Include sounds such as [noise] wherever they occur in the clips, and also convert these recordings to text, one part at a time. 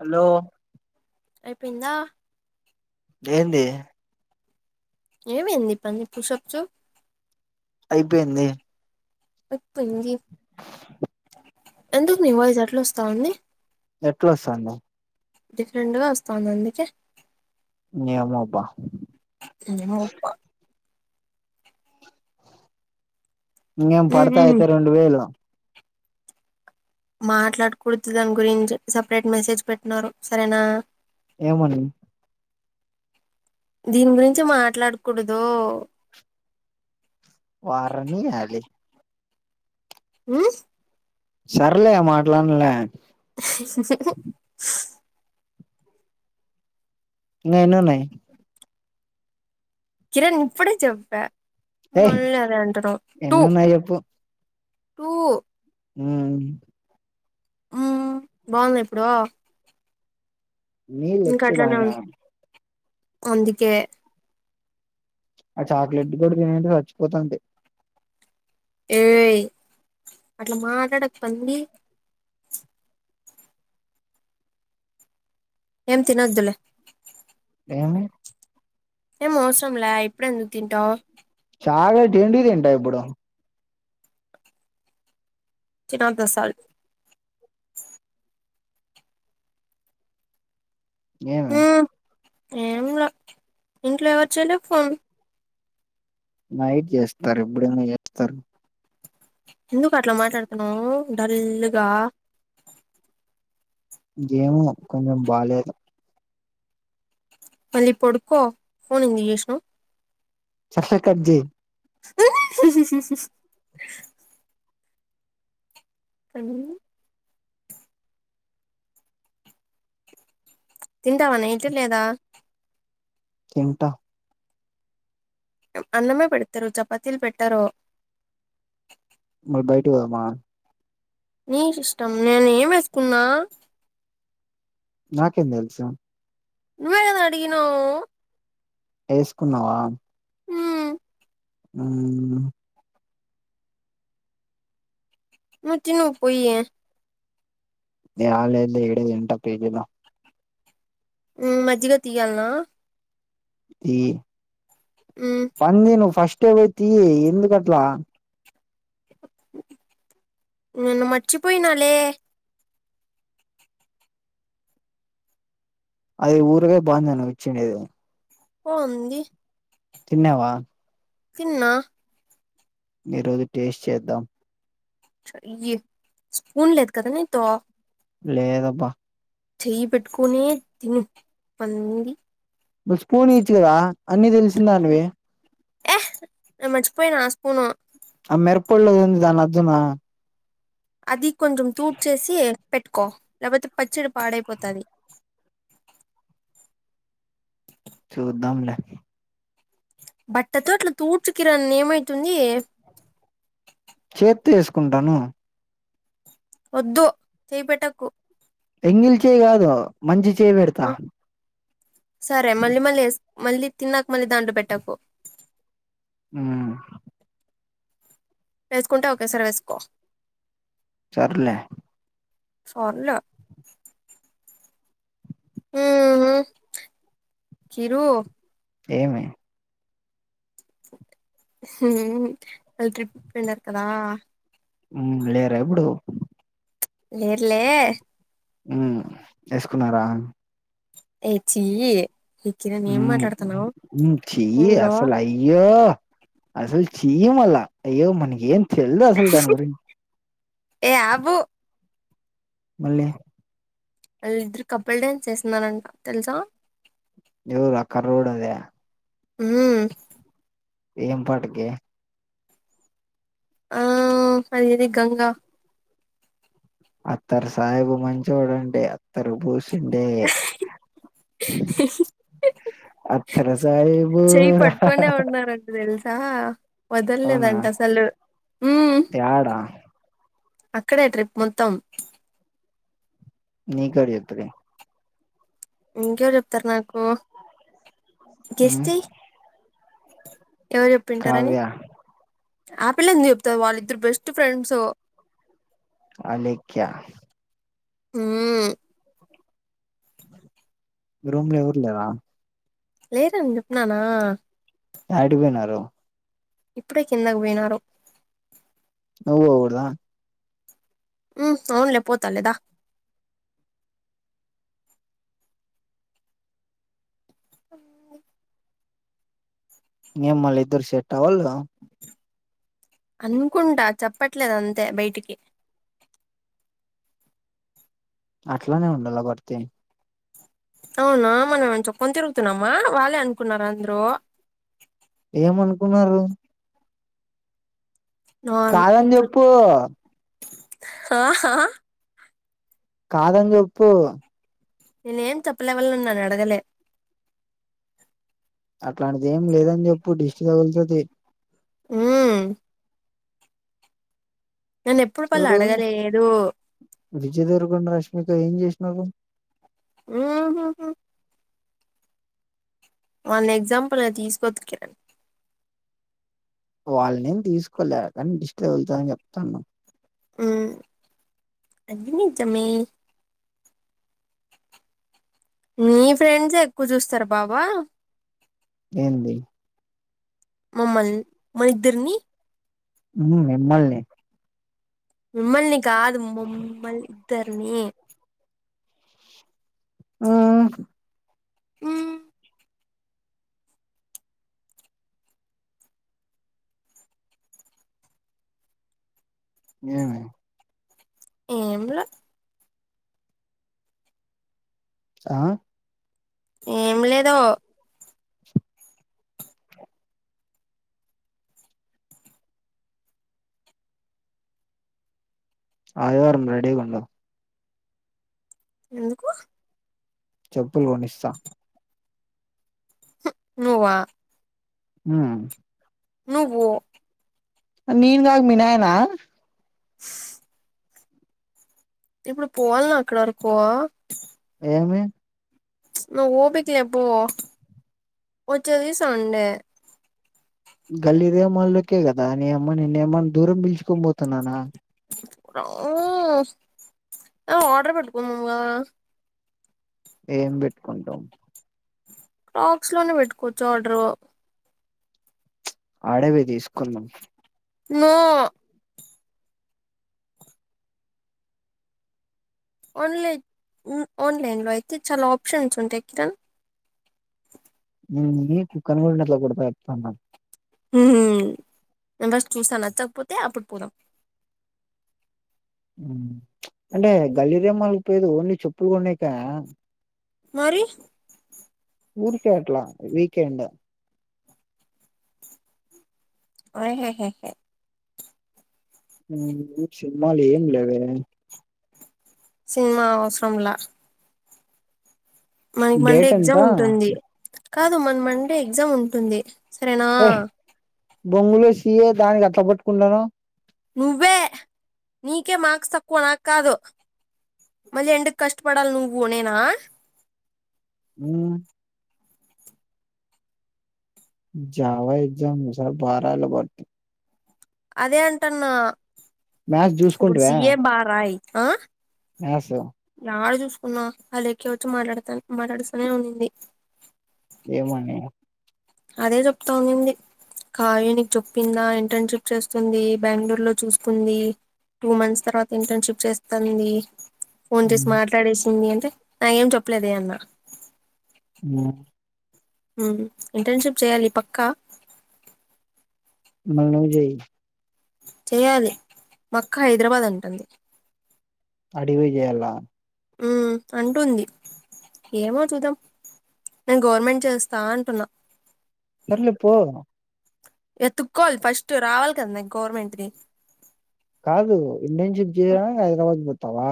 Hello అయిపేందా ఏంది ఏవయ్యింది పంది పుసప్చో అయిపోయింది అయిపోయింది ఎందుకు నీ వాయిస్ ఎట్లా వస్తావుంది ఏట్లొస్తాంది డిఫరెంట్గా వస్తుండాది అందుకే నీయమ్మ అబ్బా ను అప్ప ఇంగేం పడతా ఉమ్మ్ అయితే రెండు వేలు మాట్లాడకూడదు దాని గురించి సపరేట్ మెసేజ్ పెట్టిన్నారు సరేనా ఏమని దీని గురించి మాట్లాడకూడదు వారనియాలి ఉహ్ సర్లే మాట్లాడ్నులే ఇంగ ఎన్నున్నాయి కిరణ్ ఇప్పుడే చెప్ప ఏయ్ మళ్ళీ అదే అంటున్నావ్ టూ ఎన్నున్నాయి టూ ఉ ఆ బాగుందా ఇప్పుడు నీళ్ళు ఇంక ఎక్కువ అట్లానే తాగిన ఉండ్ అందుకే ఆ చాక్లెట్ కూడా తిని ఉంటే చచ్చిపోతంది ఏయి అట్లా మాట్లాడక్ పంది ఏం తినోద్దులే ఏమీ ఏ మోసంలా ఇప్పుడు ఎందుక్ తింటావ్ చాగ్లెట్ ఎండీ తింటా ఇప్పుడు తినొద్ద్ అసల్ ఏమీ ఏం ఇంట్లో ఎవరు చేయాలే ఫోన్ నైట్ చేస్తారు ఎప్పుడైన్నా చెత్తర్ ఎందుకు అట్లా మాట్లాడుతున్నావ్ డల్గా ఏమో కొంచెం బాలేదు మళ్ళీ పడుకో ఫోన్ ఎందుకు చేసినావ్. శక్షా కట్ చేయ్ మ్ ఉ హు హూ సంగ [unintelligible] తింటావా నైట్ లేదా? తింటా అన్నమే పెడతారు. చపాతీలు పెట్టరు. బయటకి పోదమా నీకు ఇష్టం నేను ఏం వేసుకున్నా? నాకేం తెలుసు. నువ్వే గదా అడిగినావు. వేసుకున్నావా హ్మ్ ఉమ్ నువు తిను పోయి యాదలేదులే ఈడే తింటా పేచేయ్ వ ఉ మజ్జిగ తీయాలనా? ఈ హ్మ్ పంది ను ఫస్ట్ ఏట్లో గట్ల తీ ఎందు కట్లా నేను మరిచిపోయినాలే. అది ఊరుగాయ బాగుందా నువ్వు ఇచ్చిండేది. పో ఉంది. తిన్నావా. తిన్నా ఈరోజు టేస్ట్ చేద్దాం. సర్లే స్పూన్ లేదు కదా నీతో లేదబ్బా చెయ్యి పెట్టుకునే తిను పంది. నువ్వు స్పూన్ ఈచ్చు కదా అన్నీ తెలిసిందానివి. యః మర్చిపోయినా ఆ స్పూను. ఆ మెరుప్పొల్లోంది దాన్ని అద్దనా అది కొంచెం తూడ్చేసి పెట్టుకో లేకపోతే పచ్చడి పాడైపోతాది. [inaudible] చుద్దాం లే బట్టతో అట్లా తూడ్చుకిరన్ ఏమైతుంది. చేత్తో వేసుకుంటాను. వద్దు చెయ్యిపెట్టకు ఎంగిలి చేయి కాదు మంచి చేయి పెడతా ఉ సరే మళ్ళీ మళ్ళీ ఏస్ మళ్లీ తిన్నాక మళ్ళీ దానిలో పెట్టకు మ్ వేసుకుంటే ఓకే సారి వేసుకో సర్లే సర్లే మ్ హు చిరు ఏమి? వాళ్ళు ట్రిప్ కి వెళ్ళారు కదా! హ్మ్ వెళ్ళరా ఇప్పుడు లేరు లే ఉమ్ వేసుకున్నారా? ఏచ్చీ ఇ హమ్ చి ఫోన్ లో అసలు అయ్యో అసలు. చీ మల్లా అయ్యో మనకేం తెలిదు అసలు దాని గురించి‌. ఏ ఆగు మళ్ళీ. వాళ్ళిద్దరూ కప్పుల్ డాన్స్ వేస్తున్నారంట తెలుసా. ఎవరూ ఆ కర్రోడు అదే. ఉమ్. ఏం పాటకి. ఆ అదేది గంగా. అత్తర్ సాహెబు మంచోడంటే అత్తరూ పూసిండే. అత్తరు సాయిబు [inaudible] చెయి రా పట్టుకొనే ఉన్నారంట తెలుసా. అవునా వదల్లేదంట అసలు. యాడా అక్కడే ట్రిప్ మొత్తం. నెకెవడు చెపూరూ. ఇంకా ఎవరు చెప్తారు నాకు గెస్ ఉమ్ చెయ్. ఎవరు చెప్పింటారని. కావ్య ఆ పిల్ల ఎందుకు చెప్తాది వాళ్ళిద్దరు బెస్ట్ ఫ్రెండ్స్. అలేఖ్య. హుమ్. రూములో ఎవరు లేరా. లేరూ అని చెప్పునాన. యాడికిపోయినారు. ఇప్పుడే కిందకు పోయినారు. నువ్వు పోకూడదా. ఉమ్ అవునులే పోతాలే దా. [inaudible] ఏం మళ్ళీ ఇద్దరు సెట్ అవ్వలే. అనుకుంటా చెప్పట్లేదు అంతే బయటికి. అట్లానే ఉండాల బడితే. అవునా మనం ఏం చెప్పుకొని తిరుగుతున్నామా వాళ్ళే అనుకున్నారు అందరు. ఏమనుకున్నారు. నాన్ కాదని ఇప్పుడు చెప్పు. ఆహా. కాదని చెప్పు. నేనే ఏం చెప్పలే వాళ న్నాను అడగలే. అట్లాంటిది ఏం లేదని చెప్పు డిష్టి తగులుతది. ఉమ్. నేన్న ఎప్పుడు పళ్ళు అడగలేదు. విజయ్ దేవరకొండ రష్మిక ఏం చేసినావ్ నవ్వు. ఉహు హు. మొన్న ఎగ్జాంపుల్ గా తీసుకోవచ్చు కదా. వాళ్ల నేమ్ తీసుకోలే కానీడిష్ట తకుతదని చెప్తాన్నా. ఉమ్ నిజమే. మీ ఫ్రెండ్స్ ఎక్కువ చూస్తారు బావా. ఏంది. ఆమ్మెల్ మన ఇద్దరిని. ఉమ్ మిమ్మల్ని. మీమ్మల్ని కాదు మమ్మల్ ఇద్దర్ని. ఆ. హ్మ్ ఏమి. ఏంలా ఆ ఏం లేదో ఆయవారం రెడీ గుండండి ఎందుకు చెప్పులు కొనిస్తా నువ్వా హ నువ్వు నీన్గాగ మినయనా [inaudible] ఇప్పుడు పోవాలి నా అక్కడ వరకో ఏమే ను ఓపికలే పో వచ్చ దసా ఉంట గల్లీరేమాళకే కదా నే అమ్మ నిన్న ఏమని దూరం పిలుచుకొని పోతున్నానా ఆడర్ పెట్టుకోముంగా ఏం పెట్టుకుంటాం క్రాక్స్ లోనే పెట్టుకోవచ్చు ఆర్డరు ఆడేవి తీసుకుందాం నో ఆన్లైన్ ఆన్లైన్ లో అయితే చాలా ఆప్షన్స్ ఉంటాయి కిరణ్ కుక్కనడిట్లా కొడత బస్ చూస్తా నచ్చకపోతే అప్పుడు పోరాం అంటే గల్లీ రెమ్మలు పోయదు ఓన్లీ చెప్పులు కొ ఉన్నాయికా మరి పూర్తిట్లా వీకెండ్ ఆహ సినిమాలు ఏం లేవ సినిమా అవసరంలా మనకి మండే డేట్ ఎంత ఎగ్జామ్ ఉంటుంది కాదు మన్ మండే ఎగ్జామ్ ఉంటుంది సరేనా బొంగులు సయ దానికి అట్ పట్టుకుంటాను నువ్వే నీకే మార్క్స్ తకునాక్కదు మళ్ళీ ఎండకు కష్టపడాలి నువ్వు నేనా అ జావా ఎగ్జామ్ ఇ సారీ బారలా పడుతు అదే అంటన్న మ్యాథ్స్ ఇప్పుడు చూసుకుంటివా సీఏ బారాయ్ ఆ ఎ స ఆడ చూసుకున్నా ఆ లెక్కే వచ్చి మాట్లాడుతా మాట్లాడుస్తనే ఉంంది ఏ మనీ అదే చెప్తానిన్నింది కాయ నకు చెప్పిందా ఇంటర్న్షిప్ చేస్తుంది బెంగళూరు లో చూసుకుంది టూ మంత్స్ తర్వాత ఇంటర్న్షిప్ చేస్తుంది ఫోన్ చేసి ఉమ్, మాట్లాడేసింది అంటే నాకేం చెప్పలేదే అన్నా ఆ ఇంటర్న్షిప్ చేయాలి పక్కా మనజయి చేయాలి మక్క హైదరాబాద్ అంటుంది అడికి పి చేయాల ఉ అంటుంది ఏమో చూద్దాం నేను గవర్నమెంట్ చేస్తా అంటున్నా సర్లే పో ఏ తుక్కోవాలి ఫస్ట్ రావాలి కద గవర్నమెంట్ది కాదు ఇంటర్న్షిప్ చేయడానికి హైదరాబాద్ పోతావా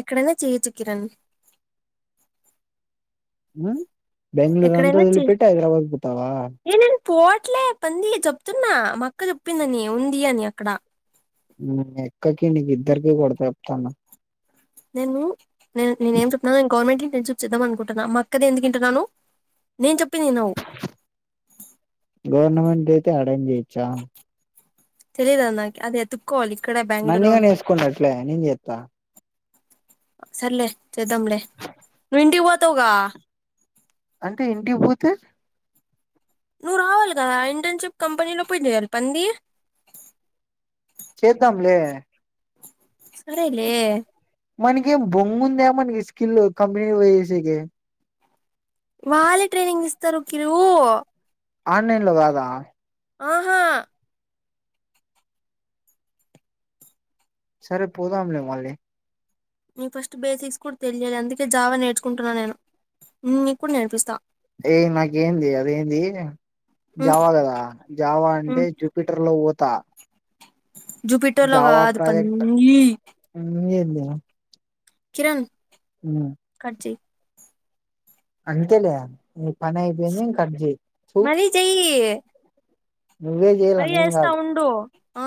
ఎక్కడైనా చేయచ్చు కిరణ్ హా బెంగళూరు అంత ఎక్కడైనా వదిలిపెటి హైదరాబాద్ పోతావా పోట్లే పంది చెప్తున్నా మా అక్క చెప్పిందని ఉంది అని అక్కడ ఉమ్ మీ అక్కకి నీకు ఇద్దరికి కొడతా చెప్తాన్న నేను నేను ఏం చెప్తున్నాను నేను ఏం చెప్తున్న గవర్నమెంట్ ఇంటర్న్షిప్ చేద్దాం అనుకుంటున్నా మా అక్కది ఎందుకు ఇంటున్నాను నేను చెప్ గవర్నమెంట్ అయితే యాడైనా జెయ్యిచా తెలిదు అద్ నాకి అది ఎతుక్కోవాలి ఇక్కడే బెంగళూరులో నన్నీగానీ ఉండేది వేసుకొండట్లే నేను చేత్త సర్లే చెదంలే నువ్వు ఇంటికి పోతావుగా అంటే ఇంటికి పోతే నువ్వు రావాలి కదా ఇంటర్న్షిప్ కంపెనీలో పోయి చేయాలి పంది చేద్దాంలే సరేలే మనకి ఏం బొంగు ఉందా మనకి స్కిల్ కంపెనీకి పోయ్ చేసేకి వాళ్ళే ట్రైనింగ్ ఇస్తారు కిరూ ఆన్లైన్ లో కాదా ఆహా సరే పోదాంలే మళ్ళీ నేను ఫస్ట్ బేసిక్స్ కూడా తెలియాలి అందుకే జావా నేర్చుకుంటున్నాను నేను నీకు కూడా నేర్పిస్తా ఏయ్ నాకేంది అదేంది జావా కదా జావా అంటే జూపిటర్ లో పోతా జుపిటర్ లో కాదు పంది ఇంగేంది కిరణ్ కట్ చెయ్ అంతేలే నీ పనీ అయిపింది కట్ చెయ్ థు మరి జైయ్ నువ్వే చేయాల మరి నేను చేస్తా కాదు ఉండు ఆ